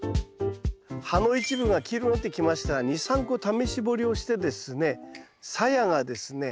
葉の一部が黄色くなってきましたら２３個試し掘りをしてですねさやがですね